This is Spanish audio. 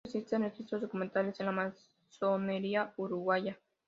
De esto existen registros documentales en la masonería uruguaya.